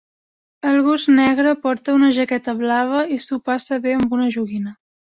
El gos negre porta una jaqueta blava i s"ho passa bé amb una joguina.